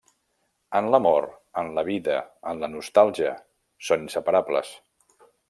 En l'amor, en la vida, en la nostàlgia, són inseparables.